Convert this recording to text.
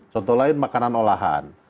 contoh lain makanan olahan